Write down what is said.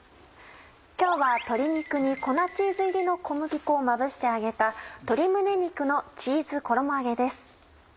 今日は鶏肉に粉チーズ入りの小麦粉をまぶして揚げた「鶏胸肉のチーズ衣揚げ」です。